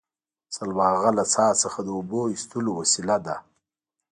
سلواغه له څا څخه د اوبو ایستلو وسیله ده